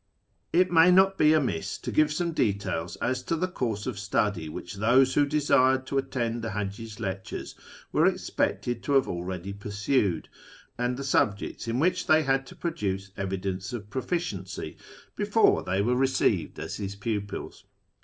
It may not be amiss to give some details as to the course of study which those who desired to attend the Haji's lectures were expected to have already pursued, and the subjects in which they had to produce evidence of proficiency before they were received as his pupils.